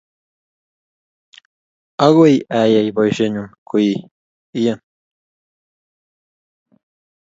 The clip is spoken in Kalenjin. agoi ayai boishenyu koi ain